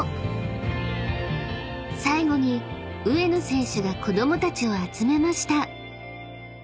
［最後に上野選手が子供たちを集めました］